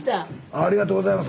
ありがとうございます。